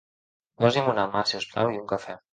Posi'm una mà, si us plau, i un cafè.